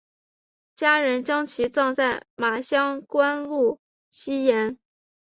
家人将其葬在马乡官路西沿。